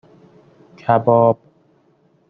کباب